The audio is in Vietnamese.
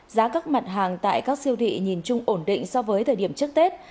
giá các mặt hàng tại các siêu thị nhìn chung ổn định so với thời điểm trước tết